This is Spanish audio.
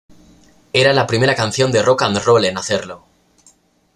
Era la primera canción de "rock and roll" en hacerlo.